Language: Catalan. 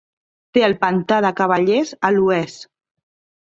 Té el Pantà de Cavallers a l'oest.